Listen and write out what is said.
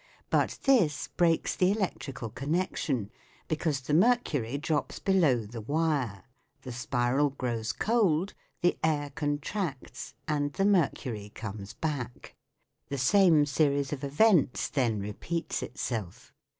But this breaks the electrical connection, because the mercury drops below the wire ; the spiral grows cold, the air contracts, and the mercury comes back ; the same series of events then repeats itself.